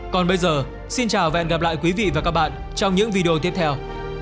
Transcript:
còn bây giờ xin chào và hẹn gặp lại quý vị và các bạn trong những video tiếp theo